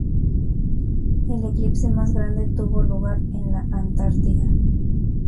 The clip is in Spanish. El eclipse más grande tuvo lugar en la Antártida.